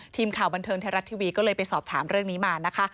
ทีมข่าวบันเทิงไทยรัฐทีวีก็เลยไปสอบถามเรื่องนี้มานะคะ